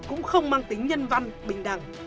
cũng không mang tính nhân văn bình đẳng